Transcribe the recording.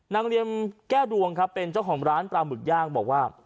เรียมแก้วดวงครับเป็นเจ้าของร้านปลาหมึกย่างบอกว่า